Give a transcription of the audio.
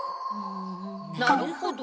なるほど。